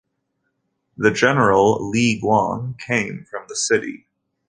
The general Li Guang came from the city.